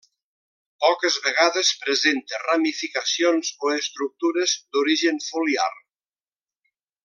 Poques vegades presenta ramificacions o estructures d'origen foliar.